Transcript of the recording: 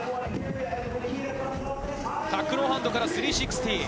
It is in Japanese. タックノーハンドから３６０。